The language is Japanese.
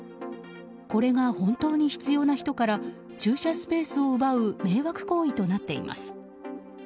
これが本当に必要な人から駐車スペースを奪う迷惑行為となっています。